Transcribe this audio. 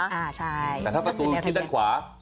แต่ถ้าประตูขึ้นด้านขวา